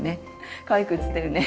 かわいく写ってるね！